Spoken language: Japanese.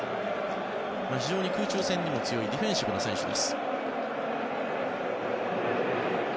非常に空中戦にも強いディフェンシブな選手です。